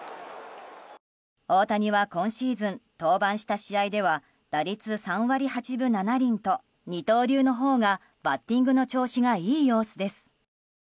大谷は今シーズン登板した試合では打率３割８分７厘と二刀流のほうがバッティングの調子がいい様子です。